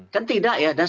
kan tidak ya